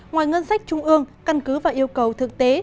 ngoài ngân sách trung ương căn cứ và yêu cầu thực tế